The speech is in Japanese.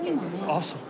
あっそう。